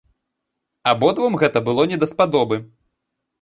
Абодвум гэта было не даспадобы.